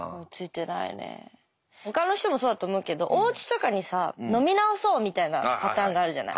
他の人もそうだと思うけどおうちとかにさ飲み直そうみたいなパターンがあるじゃない。